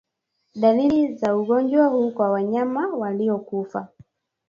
Dalili za ugonjwa huu kwa wanyama waliokufa